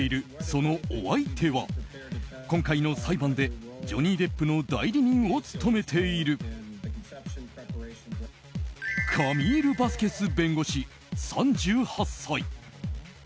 そのお相手は今回の裁判でジョニー・デップの代理人を務めているカミール・バスケス弁護士３８歳。